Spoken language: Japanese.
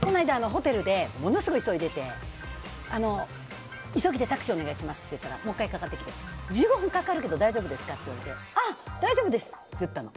この間ホテルでものすごい急いでて急ぎでタクシーをお願いしますって言ったらもう１回かかってきて１５分かかるけど大丈夫ですかって言われて大丈夫ですって言ったの。